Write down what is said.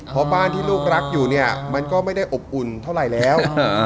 เพราะบ้านที่ลูกรักอยู่เนี่ยมันก็ไม่ได้อบอุ่นเท่าไหร่แล้ว